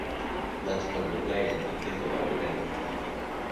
Let’s put it away and not think about it anymore.